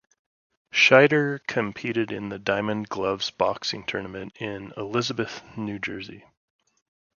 Scheider competed in the Diamond Gloves Boxing Tournament in Elizabeth, New Jersey.